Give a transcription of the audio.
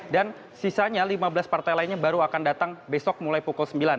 dan sisanya lima belas partai lainnya baru akan datang besok mulai pukul sembilan